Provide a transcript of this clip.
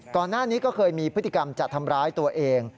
ก่อนหน้านี้ก็เคยมีพฤติกรรมจะทำร้ายตัวเอง